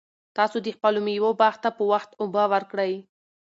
تاسو د خپلو مېوو باغ ته په وخت اوبه ورکړئ.